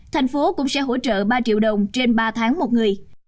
thành phố cũng sẽ hỗ trợ ba triệu đồng trên ba tháng một người